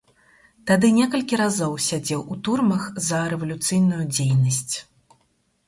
Тады некалькі разоў сядзеў у турмах за рэвалюцыйную дзейнасць.